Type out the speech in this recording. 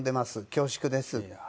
恐縮です。